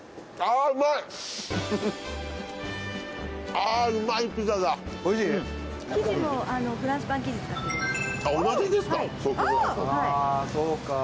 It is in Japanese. あぁそうか。